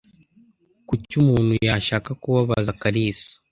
Kuki umuntu yashaka kubabaza Kalisa?